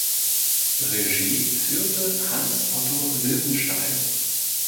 Regie führte Hans Otto Löwenstein.